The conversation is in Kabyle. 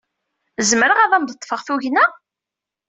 Zemreɣ ad am-d-ḍḍfeɣ tugna?